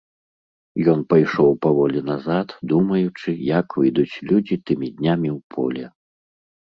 Ён пайшоў паволі назад, думаючы, як выйдуць людзі тымі днямі ў поле.